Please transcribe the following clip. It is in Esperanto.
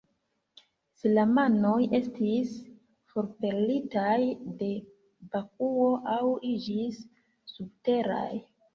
Islamanoj estis forpelitaj de Bakuo, aŭ iĝis subteraj.